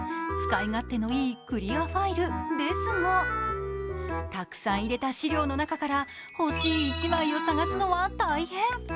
使い勝手のいいクリアファイルですがたくさん入れた資料の中から欲しい１枚を探すのは大変。